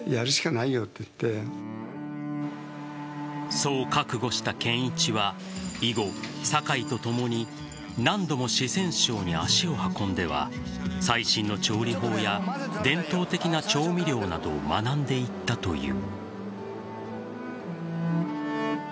そう覚悟した建一は以後坂井とともに何度も四川省に足を運んでは最新の調理法や伝統的な調味料などを学んでいったという。